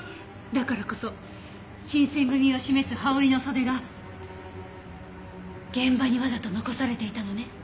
だからこそ新選組を示す羽織の袖が現場にわざと残されていたのね。